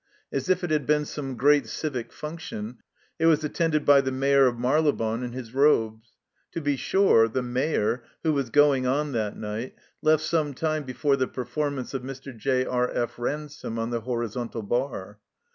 As if it had been some great civic function, it was attended by the Mayor ot, Marylebone in his robes. To be sure, the Mayor, who was "going on" that night, left some time be fore the performance of Mr. J. R. F. Ransome on the Horizontal Bar.